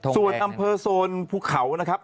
ส่วนอำเภอโซนภูเขานะครับ